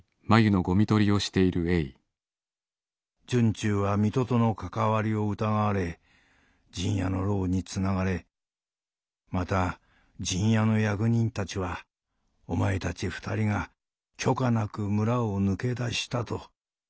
惇忠は水戸との関わりを疑われ陣屋の牢につながれまた陣屋の役人たちはお前たち２人が許可なく村を抜け出したとお怒りのご様子だ」。